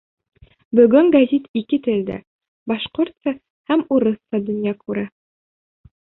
Бөгөн гәзит ике телдә — башҡортса һәм урыҫса — донъя күрә.